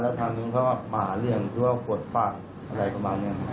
แล้วทางนึงเขามาหาเรื่องที่ว่าปวดฟากอะไรประมาณนี้